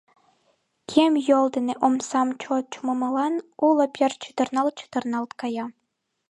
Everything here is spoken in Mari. Кем йол дене омсам чот чумымылан уло пӧрт чытырналт-чытырналт кая.